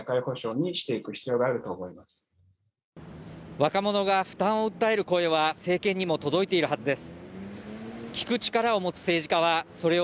若者が負担を訴える声は政権にも届いているはずです。